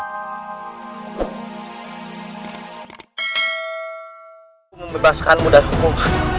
aku membebaskanmu dari hukum